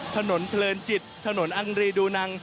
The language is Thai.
ถนนเพลินจิตถนนอังรีดูนัง